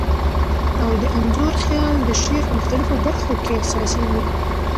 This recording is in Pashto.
او د انځور خیال د شعر په مختلفو بر خو کي احسا سیږی.